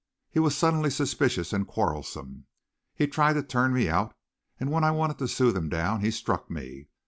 He was suddenly suspicious and quarrelsome. He tried to turn me out, and when I wanted to soothe him down, he struck me.